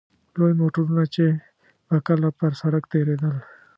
لوی موټرونه چې به کله پر سړک تېرېدل.